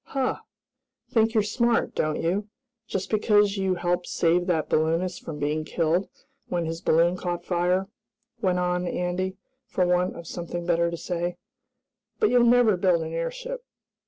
"Huh! Think you're smart, don't you? Just because you helped save that balloonist from being killed when his balloon caught fire," went on Andy, for want of something better to say. "But you'll never build an airship!"